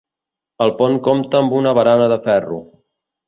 El pont compta amb una barana de ferro.